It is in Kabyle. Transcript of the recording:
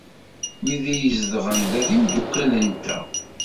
Wid ay izedɣen da d imeddukal-nteɣ.